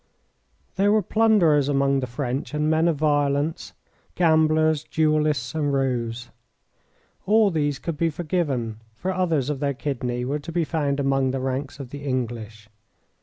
There were plunderers among the French, and men of violence, gamblers, duellists, and roues. All these could be forgiven, for others of their kidney were to be found among the ranks of the English.